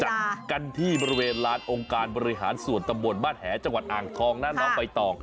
จากกันที่บริเวณร้านองค์การบริหารส่วนตะบนบ้านแห่จังหวัดอ่านทองนั้นแล้วไปต่อ